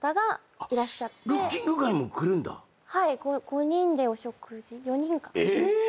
５人でお食事４人か。